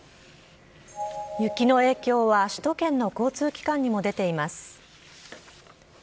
雪の影響は首都圏の交通機関にも出ています。